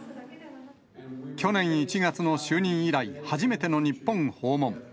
去年１月の就任以来、初めての日本訪問。